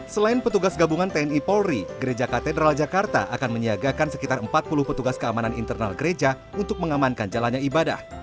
selain petugas gabungan tni polri gereja katedral jakarta akan menyiagakan sekitar empat puluh petugas keamanan internal gereja untuk mengamankan jalannya ibadah